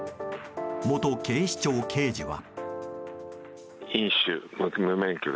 元警視庁刑事は。